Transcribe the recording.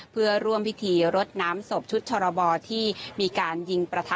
เพื่อร่วมพิธีรดน้ำศพชุดชรบที่มีการยิงประทะ